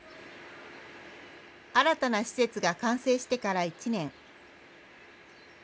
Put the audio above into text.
新たな施設が完成してから１年。